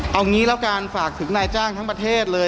เอางี้แล้วกันฝากถึงนายจ้างทั้งประเทศเลย